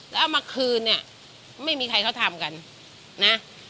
แล้วเอามาคืนเนี่ยไม่มีใครเขาทำกันนะ